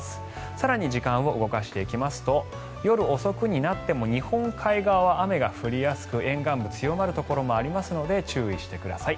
更に時間を動かしていきますと夜遅くになっても日本海側は雨が降りやすく沿岸部強まるところもありますので注意してください。